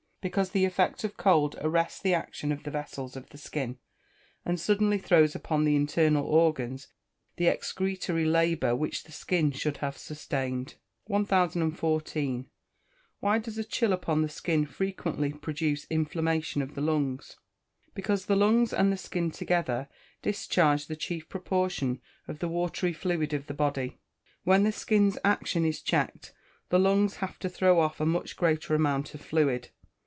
_ Because the effect of cold arrests the action of the vessels of the skin, and suddenly throws upon the internal organs the excretory labour which the skin should have sustained. 1014. Why does a chill upon the skin frequently produce inflammation of the lungs? Because the lungs and the skin together discharge the chief proportion of the watery fluid of the body. _When the skin's action is checked, the lungs have to throw off a much greater amount of fluid.